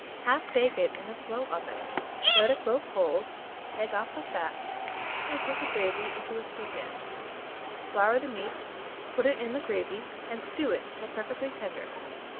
Half bake it in a slow oven, let it grow cold, take off the fat, and put the gravy into a stewpan; flour the meat, put it in the gravy, and stew it till perfectly tender.